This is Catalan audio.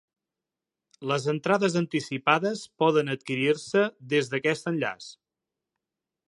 Les entrades anticipades poden adquirir-se des d’aquest enllaç.